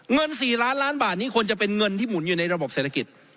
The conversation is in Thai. เงิน๔ล้านล้านบาทนี้ควรจะเป็นเงินที่หมุนอยู่ในระบบเศรษฐกิจ